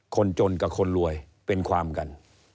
คนจนกับคนรวยเป็นความกัน